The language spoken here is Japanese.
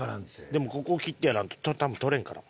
でもここを切ってやらんと多分取れんから。